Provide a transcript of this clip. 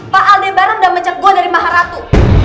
pak aldebaran udah mecek gue dari maha ratu